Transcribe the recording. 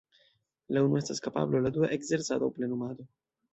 La unua estas kapablo, la dua ekzercado aŭ plenumado.